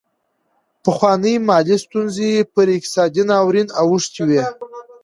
پخوانۍ مالي ستونزې پر اقتصادي ناورین اوښتې وې.